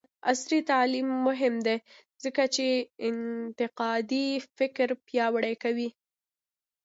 عصري تعلیم مهم دی ځکه چې انتقادي فکر پیاوړی کوي.